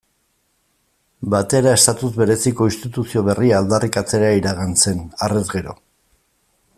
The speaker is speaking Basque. Batera estatus bereziko instituzio berria aldarrikatzera iragan zen, harrez gero.